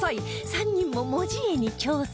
３人も文字絵に挑戦